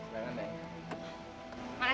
makasih ya pak